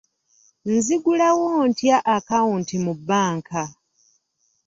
Nzigulawo ntya akawunti mu bbanka?